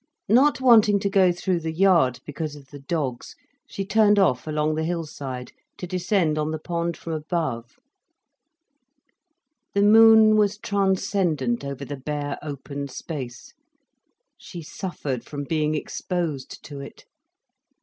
Not wanting to go through the yard, because of the dogs, she turned off along the hill side to descend on the pond from above. The moon was transcendent over the bare, open space, she suffered from being exposed to it.